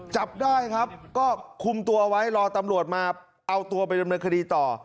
จับได้ครับก็คุมตัวเอาไว้รอตำรวจมาเอาตัวไปดำเนินคดีต่อ